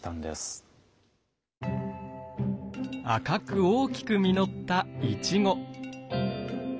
赤く大きく実ったイチゴ。